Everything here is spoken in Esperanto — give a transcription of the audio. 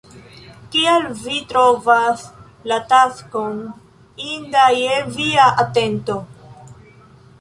Kial vi trovas la taskon inda je via atento?